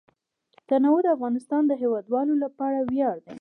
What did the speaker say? تنوع د افغانستان د هیوادوالو لپاره ویاړ دی.